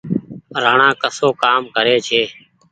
رآڻآ ڪسو ڪآم ڪري ڇي ۔